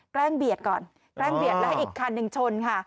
แกล้งเบียดก่อนแกล้งเบียดแล้วอีกคันหนึ่งชนค่ะ